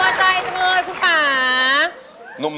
ไม่ใช่ครับ